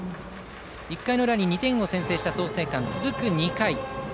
１回裏、２点を先制した創成館続く２回。